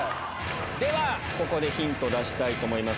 では、ここでヒント出したいと思います。